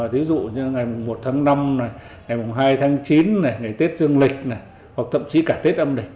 ví dụ như ngày một tháng năm ngày hai tháng chín ngày tết dương lịch hoặc thậm chí cả tết âm đình